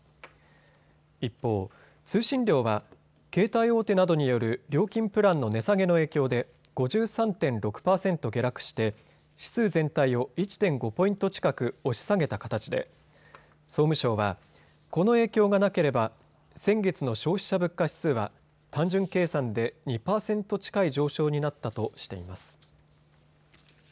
一方、通信料は携帯大手などによる料金プランの値下げの影響で５３．６％下落して指数全体を１．５ポイント近く押し下げた形で総務省はこの影響がなければ先月の消費者物価指数は単純計算で２％近い上昇になったとしています。